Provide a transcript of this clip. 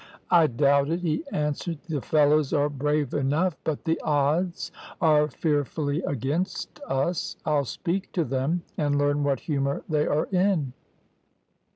"`I doubt it,' he answered. `The fellows are brave enough, but the odds are fearfully against us. I'll speak to them, and learn what humour they are in.'